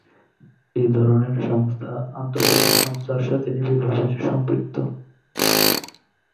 এ ধরনের সংস্থা আন্তর্জাতিক সংস্থার সাথে নিবিড়ভাবে সম্পৃক্ত।